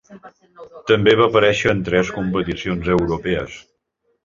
També va aparèixer en tres competicions europees.